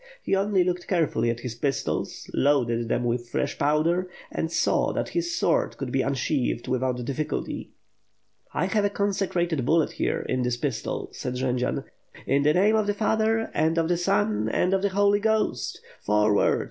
He only looked carefully at his pistols, loaded them with fresh powder, and saw that his sword could be unsheathed without difl&culty. "'I have a consecrated bullet here, in this pistol," said Jendzian. "In the name of the Father, and of the Son, and of the Holy Ghost! Forward!